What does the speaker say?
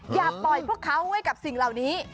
อย่าปล่อยพวกเขาไว้กับสิ่งเหล่านี้